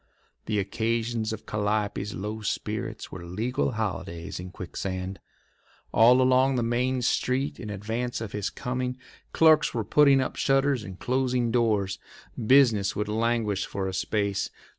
The occasions of Calliope's low spirits were legal holidays in Quicksand. All along the main street in advance of his coming clerks were putting up shutters and closing doors. Business would languish for a space.